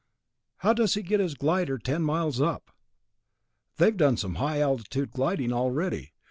How does he get his glider ten miles up? They've done some high altitude gliding already.